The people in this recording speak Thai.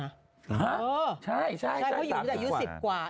หาใช่ใช่เพราะอยู่นี่แต่อายุ๑๐กว่า